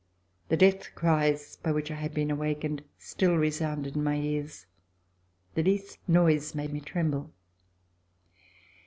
The death cries by which I had been awakened still resounded in my ears. The least noise made me tremble.